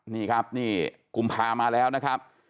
นี่ครับนี่กุมภามาแล้วนะครับ